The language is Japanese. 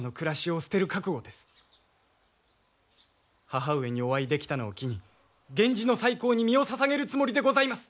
母上にお会いできたのを機に源氏の再興に身をささげるつもりでございます！